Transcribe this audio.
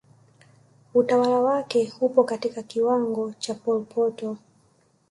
Utawala wake upo katika kiwango cha Pol Pot